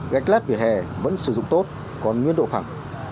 gạch lát vỉa hè vẫn sử dụng tốt còn nguyên độ phẳng